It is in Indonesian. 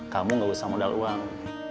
kamu gak usah modal uang